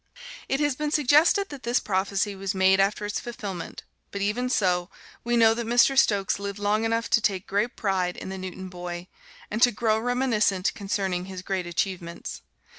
It has been suggested that this prophecy was made after its fulfilment, but even so, we know that Mr. Stokes lived long enough to take great pride in the Newton boy, and to grow reminiscent concerning his great achievements.